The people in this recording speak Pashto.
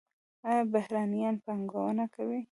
آیا بهرنیان پانګونه کوي؟